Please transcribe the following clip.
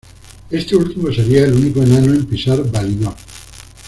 Este último sería el único enano en pisar Valinor.